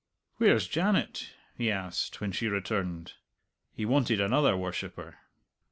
"Where's Janet?" he asked when she returned. He wanted another worshipper.